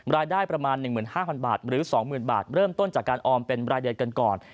รายได้ประมาณ๑๕๐๐บาทหรือ๒๐๐๐บาทเริ่มต้นจากการออมเป็นรายเดือนกันก่อน